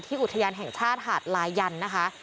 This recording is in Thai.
อุทยานแห่งชาติหาดลายันนะคะ